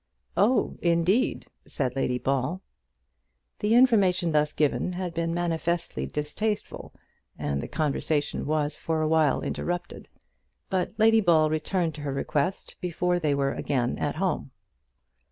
"Oh, indeed," said Lady Ball. The information thus given had been manifestly distasteful, and the conversation was for a while interrupted; but Lady Ball returned to her request before they were again at home.